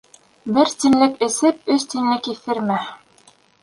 Бер тинлек эсеп, өс тинлек иҫермә.